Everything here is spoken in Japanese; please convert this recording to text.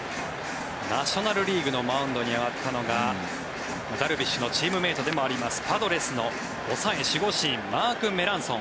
ナショナル・リーグのマウンドに上がったのがダルビッシュのチームメートでもあります、パドレスの抑え守護神マーク・メランソン。